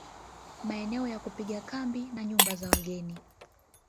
Maeneo ya kupiga kambi na nyumba za wageni